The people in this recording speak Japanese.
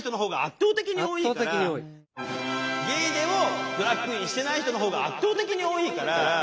ゲイでもドラァグクイーンしてない人の方が圧倒的に多いから。